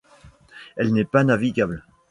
Elle n'est pas navigable.